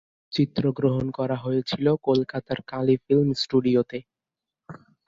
চিত্রগ্রহণ করা হয়েছিল কলকাতার কালী ফিল্ম স্টুডিওতে।